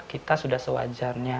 kita sudah sewajarnya